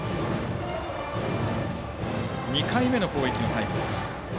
２回目の攻撃のタイムです。